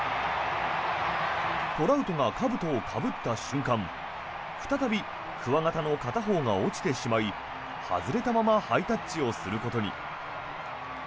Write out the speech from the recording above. トラウトがかぶとをかぶった瞬間再びくわ形の片方が落ちてしまい外れたままハイタッチをすることに。